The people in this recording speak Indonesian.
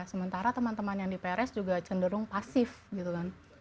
sementara teman teman yang di prs juga cenderung pasif gitu kan